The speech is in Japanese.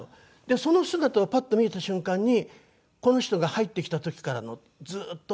その姿がパッと見えた瞬間にこの人が入ってきた時からのずっと長い時間ありますよね。